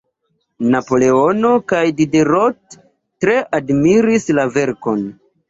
Napoleono kaj Diderot tre admiris la verkon.